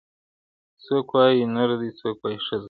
څوک وايي نر دی څوک وايي ښځه.